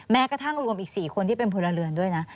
แม้กระทั่งรวมอีก๔คนที่เป็นพลเรือนด้วยนะ